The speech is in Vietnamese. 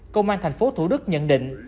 công an thành phố thủ đức nhận định